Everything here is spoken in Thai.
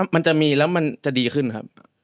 มันจะมีแล้วมันจะดีขึ้นครับ